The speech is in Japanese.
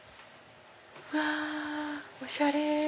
うわおしゃれ！